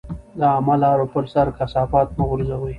د عامه لارو پر سر کثافات مه غورځوئ.